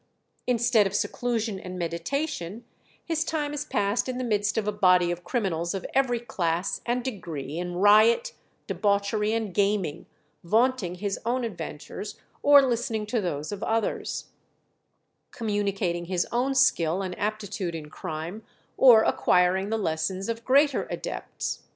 Instead of seclusion and meditation, his time is passed in the midst of a body of criminals of every class and degree, in riot, debauchery, and gaming, vaunting his own adventures, or listening to those of others; communicating his own skill and aptitude in crime, or acquiring the lessons of greater adepts.